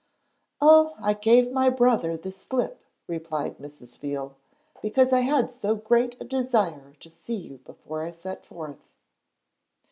'Oh, I gave my brother the slip,' replied Mrs. Veal, 'because I had so great a desire to see you before I set forth.'